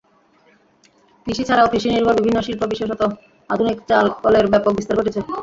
কৃষি ছাড়াও কৃষি নির্ভর বিভিন্ন শিল্প বিশেষতঃ আধুনিক চাল কলের ব্যাপক বিস্তার ঘটেছে।